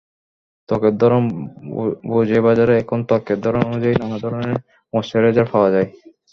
ত্বকের ধরন বুঝেবাজারে এখন ত্বকের ধরন অনুযায়ী নানা ধরনের ময়েশ্চারাইজার পাওয়া যায়।